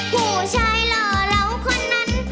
ผู้ชายหล่อมรักมาต้องตาเสนอ